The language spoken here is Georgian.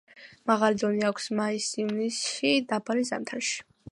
მაღალი დონე აქვს მაის-ივნისში, დაბალი ზამთარში.